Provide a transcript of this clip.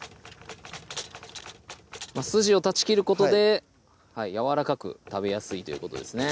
筋を断ち切ることでやわらかく食べやすいということですね